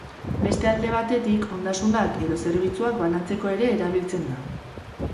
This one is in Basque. Beste alde batetik, ondasunak edo zerbitzuak banatzeko ere erabiltzen da.